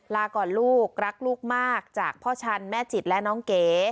ลาก่อนลูกรักลูกมากจากพ่อชันแม่จิตและน้องเก๋